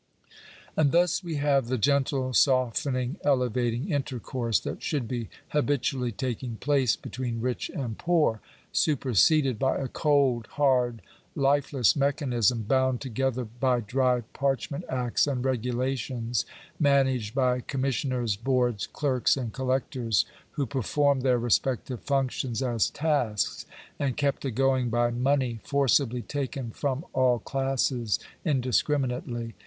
And thus we have the gentle, softening, elevating intercourse that should be habitually taking place between rich and poor, superseded by a cold, hard, lifeless mechanism, bound together by dry parchment acts and regulations— managed by commis sioners, boards, clerks, and collectors, who perform their re spective functions as tasks — and kept a going by money forcibly taken from all classes indiscriminately.